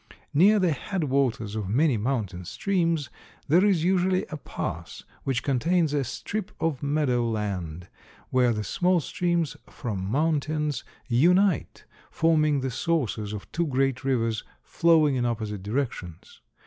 Near the head waters of many mountain streams there is usually a pass, which contains a strip of meadow land where the small streams from mountains unite, forming the sources of two great rivers flowing in opposite directions.